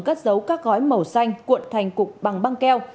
cất giấu các gói màu xanh cuộn thành cục bằng băng keo